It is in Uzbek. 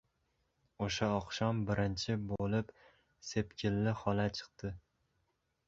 O‘sha oqshom birinchi bo‘lib Sepkilli xola chiqdi.